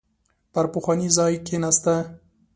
پر پخواني ځای کېناسته.